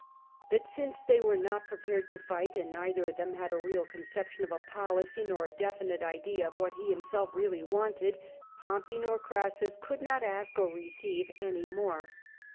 But since they were not 174 CEASSUS prepared to fight, and neither of them had a real concep tion of a policy, nor a definite idea of what he himself really wanted, Pompey nor Orassus could not ask or receive any more.